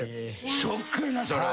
ショックやなそれは。